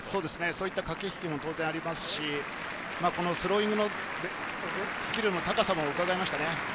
そういった駆け引きもありますし、スローインのスキルの高さも伺えましたね。